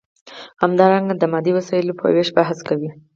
همدارنګه د مادي وسایلو په ویش بحث کوي.